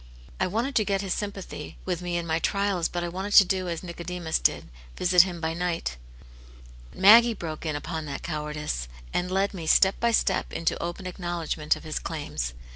I wanted to get His sympathy with me in my trials, but I wanted to do as Nicodemus did, visit Him by night But Maggie broke in upon that cowardice, and led me, step by step, into open acknowledgment of His claims.